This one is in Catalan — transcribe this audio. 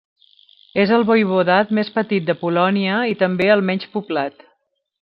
És el voivodat més petit de Polònia i també el menys poblat.